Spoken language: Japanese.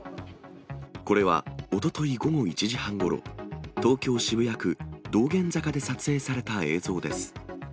これは、おととい午後１時半ごろ、東京・渋谷区道玄坂で撮影された映像です。